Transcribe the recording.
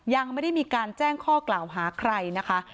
ยังไม่ได้มีการแจ้งข้อกล่าวหาใครนะคะ